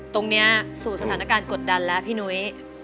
ตรงนี้สู่สถานการณ์กดดันแล้วพี่นุ้ย